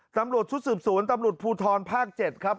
ตำรวจชุดสืบสวนตำรวจภูทรภาค๗ครับ